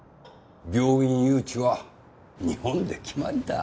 病院誘致は日本で決まりだ。